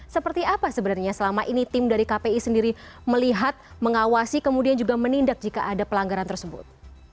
seperti apa sebenarnya selama ini tim dari kpi sendiri melihat mengawasi kemudian juga menindak jika ada pelanggaran tersebut